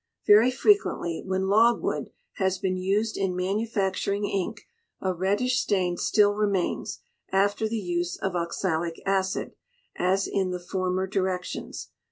Very frequently, when logwood has been used in manufacturing ink, a reddish stain still remains, after the use of oxalic acid, as in the former directions.